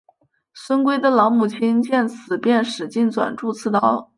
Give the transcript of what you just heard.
孙奎的老母亲见此便使劲攥住刺刀。